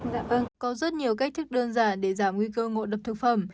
dạ vâng có rất nhiều cách thức đơn giản để giảm nguy cơ ngộ đập thực phẩm